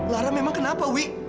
lara memang kenapa wi